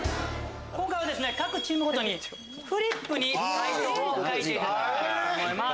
今回は各チームごとにフリップに解答を書いていただきたいと思います。